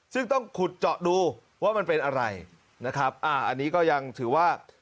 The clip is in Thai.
ซึ่งต้องขุดเจาะดูว่ามันเป็นอะไรนะครับอ่าอันนี้ก็ยังถือว่า